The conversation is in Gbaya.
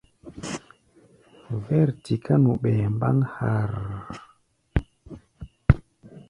Vɛ̂r tiká nu ɓɛɛ mbáŋ harrr.